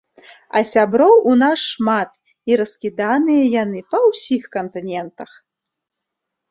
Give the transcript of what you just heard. А сяброў у нас шмат, і раскіданыя яны па ўсіх кантынентах.